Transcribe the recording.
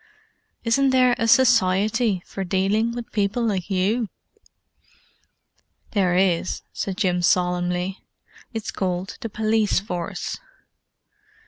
Isn't there a Society for dealing with people like you?" "There is," said Jim solemnly. "It's called the Police Force."